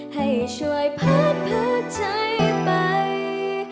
ให้ช่วยพัดเพลิกใจไป